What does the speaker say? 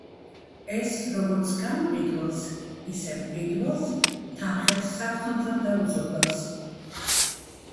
ეს როგორც გამყიდველს, ისე მყიდველს, თანხებს საგრძნობლად დაუზოგავს.